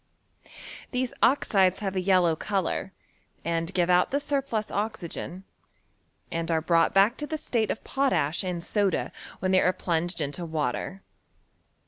These oxides have a yellow colour, and give out the surplus oxygen, and are brought back to the state of potash and soda when they are plunged into water.